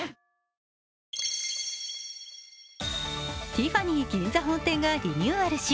ティファニー銀座本店がリニューアルし、